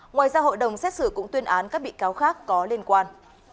ngoài ra hội đồng xét xử cũng tuyên án các bị cáo khác có liên quan